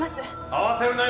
慌てるなよ。